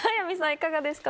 いかがですか？